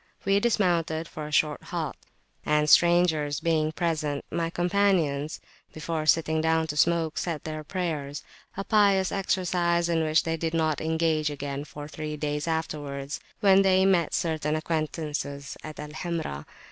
We dismounted for a short halt; and, strangers being present, my companions, before sitting down to smoke, said their prayers a pious exercise in which they did not engage for three days afterwards, when they met certain acquaintances at Al Hamra.